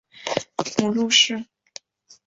母陆氏。